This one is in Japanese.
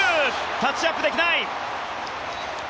タッチアップできない。